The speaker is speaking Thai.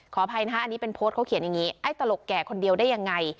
อภัยนะฮะอันนี้เป็นโพสต์เขาเขียนอย่างนี้ไอ้ตลกแก่คนเดียวได้ยังไง